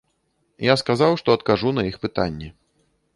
Я сказаў, што адкажу на іх пытанні.